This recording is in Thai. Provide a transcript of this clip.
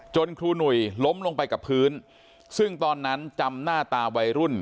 ครูหนุ่ยล้มลงไปกับพื้นซึ่งตอนนั้นจำหน้าตาวัยรุ่น